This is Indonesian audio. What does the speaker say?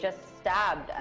dan membunuh mereka